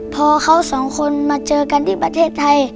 พอเขาสองคนมาเจอกันที่ประเทศไทย